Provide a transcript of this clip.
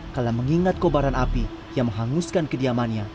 kalau mengingat kobaran api yang menghanguskan kediamannya